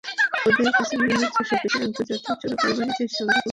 ওদের কাছে মনে হচ্ছে শফিকের আন্তর্জাতিক চোরাকারবারিদের সঙ্গে গভীর যোগাযোগ আছে।